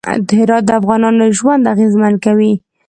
هرات د افغانانو ژوند اغېزمن کوي.